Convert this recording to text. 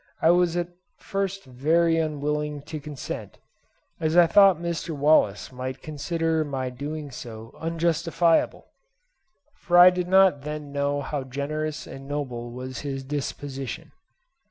I was at first very unwilling to consent, as I thought Mr. Wallace might consider my doing so unjustifiable, for I did not then know how generous and noble was his disposition.